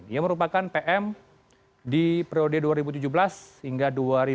ia merupakan pm di periode dua ribu tujuh belas hingga dua ribu dua puluh